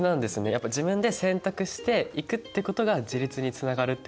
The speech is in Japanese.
やっぱ自分で選択していくってことが自立につながるってことなんですよね？